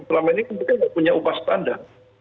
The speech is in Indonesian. selama ini kan kita tidak punya upah standar